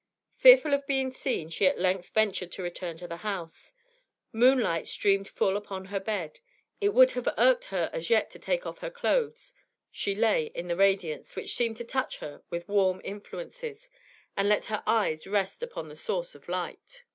Fearful of being seen, she at length ventured to return to the house. Moonlight streamed full upon her bed; it would have irked her as yet to take off her clothes, she lay in the radiance, which seemed to touch her with warm influences, and let her eyes rest upon the source of light.